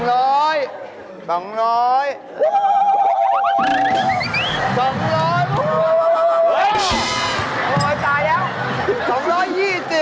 โอ๊ยตายแล้ว๒๒๐